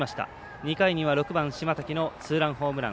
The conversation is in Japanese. ２回には６番島瀧のツーランホームラン。